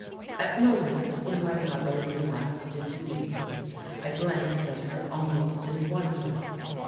At moments, when my mother relapsed into weeping, I glanced at her almost in wonder.